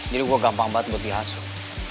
jadi gue gampang banget buat dihasut